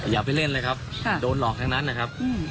อย่าไปเล่นเลยครับโดนหลอกทั้งนั้นนะครับ